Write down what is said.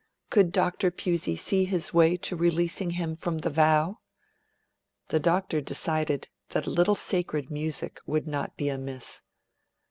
Could Dr. Pusey see his way to releasing him from the vow? The Doctor decided that a little sacred music would not be amiss.